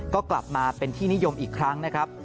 ก็กลับมาเป็นที่นิยมอีกครั้งนะครับ